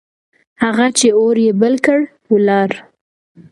هغه چې اور يې بل کړ، ولاړ.